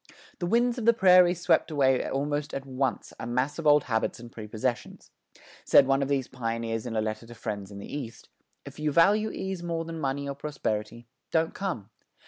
The winds of the prairies swept away almost at once a mass of old habits and prepossessions. Said one of these pioneers in a letter to friends in the East: If you value ease more than money or prosperity, don't come.